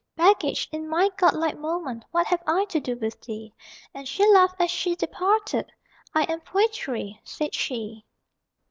"Baggage, in my godlike moment What have I to do with thee?" And she laughed as she departed "I am Poetry," said she.